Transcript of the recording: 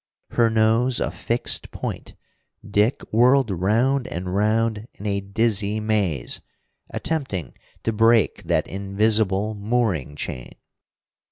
Her nose a fixed point, Dick whirled round and round in a dizzy maze, attempting to break that invisible mooring chain.